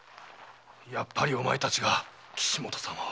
やっぱりお前たちが岸本様を。